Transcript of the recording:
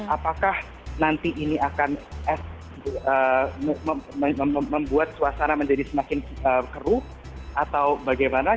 apakah nanti ini akan membuat suasana menjadi semakin keruh atau bagaimana